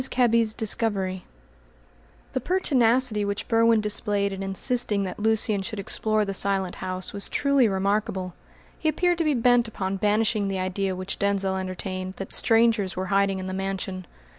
KEBBY'S DISCOVERY The pertinacity which Berwin displayed in insisting that Lucian should explore the Silent House was truly remarkable. He appeared to be bent upon banishing the idea which Denzil entertained that strangers were hiding in the mansion.